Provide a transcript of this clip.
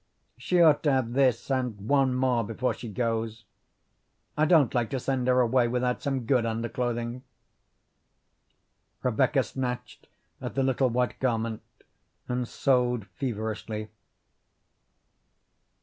She ought to have this and one more before she goes. I don't like to send her away without some good underclothing." Rebecca snatched at the little white garment and sewed feverishly.